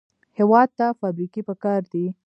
هېواد ته فابریکې پکار دي